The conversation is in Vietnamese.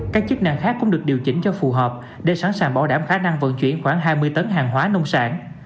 các chức năng khác cũng được điều chỉnh cho phù hợp để sẵn sàng bảo đảm khả năng vận chuyển khoảng hai mươi tấn hàng hóa nông sản